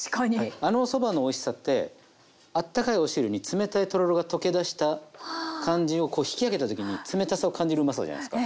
あのおそばのおいしさってあったかいお汁に冷たいとろろが溶け出した感じをこう引き上げた時に冷たさを感じるうまさじゃないですか。